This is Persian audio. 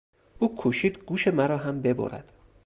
او کوشید گوش مرا هم ببرد.